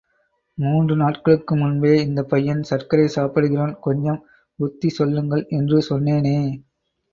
மூன்று நாட்களுக்கு முன்பே, இந்தப் பையன் சர்க்கரை சாப்பிடுகிறான் கொஞ்சம் புத்தி சொல்லுங்கள் என்று சொன்னேனே!